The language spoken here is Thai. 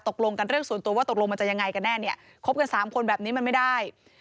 ตกลงกันเรื่องส่วนตัวว่าตกลงมันจะยังไงกันแน่เนี่ยคบกัน๓คนแบบนี้มันไม่ได้